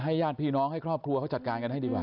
ญาติพี่น้องให้ครอบครัวเขาจัดการกันให้ดีกว่า